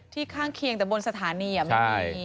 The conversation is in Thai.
ข้างเคียงแต่บนสถานีไม่มี